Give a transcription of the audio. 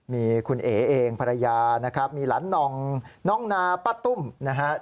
มีคุณเอ๋เองภรรยานะครับมีหลานนองน้องนาป้าตุ้มนะฮะ